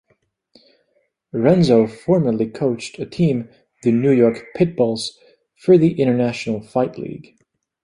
Renzo formerly coached a team, the New York Pitbulls, for the International Fight League.